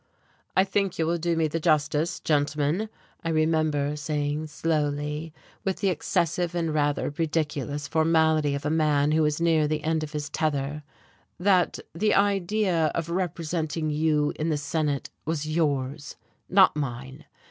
"I think you will do me the justice, gentlemen," I remember saying slowly, with the excessive and rather ridiculous formality of a man who is near the end of his tether, "that the idea of representing you in the Senate was yours, not mine.